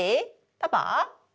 パパ？